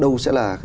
điều tính toán